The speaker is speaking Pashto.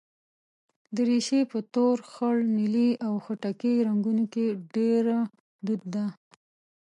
دریشي په تور، خړ، نیلي او خټکي رنګونو کې ډېره دود ده.